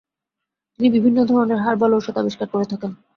তিনি বিভিন্ন ধরনের হার্বাল ঔষধ আবিষ্কার করতে থাকেন।